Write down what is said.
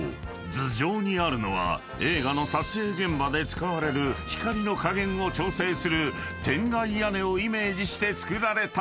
頭上にあるのは映画の撮影現場で使われる光の加減を調整する天蓋屋根をイメージして造られたキャノピー］